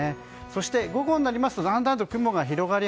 そして午後になると、だんだんと雲が広がり